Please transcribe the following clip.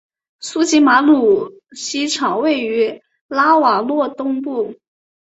苏吉马努鲁机场位于拉瓦若东部。